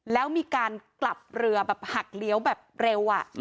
แล้วมีการกลับเรือแบบหักเลี้ยวแบบเร็ว